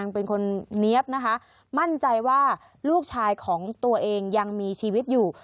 เป็นคนเนี๊ยบนะคะมั่นใจว่าลูกชายของตัวเองยังมีชีวิตอยู่